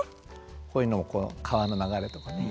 こういうのも川の流れとかね。